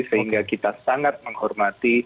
sehingga kita sangat menghormati